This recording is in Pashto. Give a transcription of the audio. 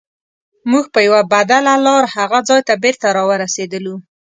موږ په یوه بدله لار هغه ځای ته بېرته راورسیدلو.